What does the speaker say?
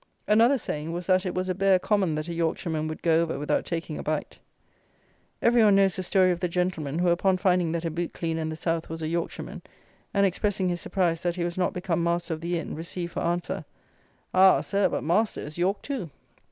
Another saying was that it was a bare common that a Yorkshireman would go over without taking a bite. Every one knows the story of the gentleman who, upon finding that a boot cleaner in the south was a Yorkshireman, and expressing his surprise that he was not become master of the inn, received for answer, "Ah, sir, but master is York too!"